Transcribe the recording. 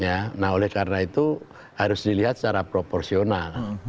nah oleh karena itu harus dilihat secara proporsional